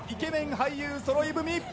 俳優がそろい踏み